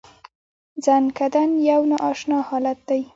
ځنکدن یو نا اشنا حالت دی .